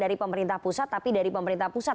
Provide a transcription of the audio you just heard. dari pemerintah pusat tapi dari pemerintah pusat